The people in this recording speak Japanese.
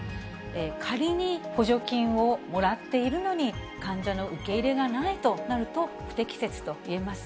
仮に補助金をもらっているのに、患者の受け入れがないとなると、不適切といえます。